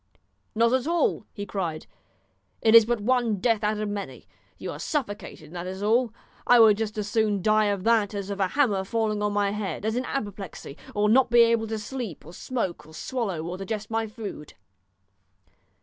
"Not at all," he cried; "it is but one kind of death out of many. You are suffocated, that is all. I would just as soon die of that as of a hammer falling on my head, as in apoplexy, or not to be able to sleep, or smoke, or swallow, or digest my food."